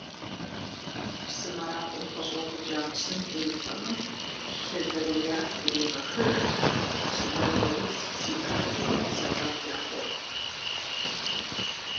Псымэракӏуэм къыщӏэвыкӏа псым уефэмэ, лъы дэуеяр ирегъэхыж, псыбафэуз зиӏэхэми сэбэп яхуохъу.